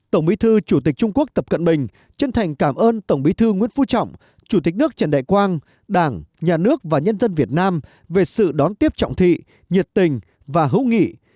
tổng bí thư chủ tịch trung quốc tập cận bình chân thành cảm ơn tổng bí thư nguyễn phú trọng chủ tịch nước trần đại quang đảng nhà nước và nhân dân việt nam về sự đón tiếp trọng thị nhiệt tình và hữu nghị